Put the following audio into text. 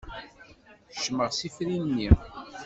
Kecmeɣ s ifri-nni.